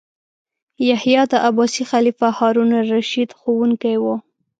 یحیی د عباسي خلیفه هارون الرشید ښوونکی و.